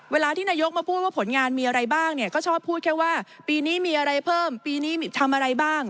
เวลาที่นายกมาพูดว่าผลงานมีอะไรบ้างเนี่ยก็ชอบพูดแค่ว่าปีนี้มีอะไรเพิ่มปีนี้ทำอะไรบ้าง